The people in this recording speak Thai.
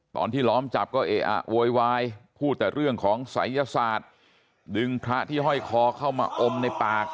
ตอนที่ล้อมจับก็เอะอะโวยวายพูดแต่เรื่องของศัยยศาสตร์ดึงพระที่ห้อยคอเข้ามาอมในปาก